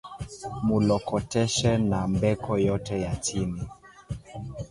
Mu lokoteshe ma mbeko yote ya chini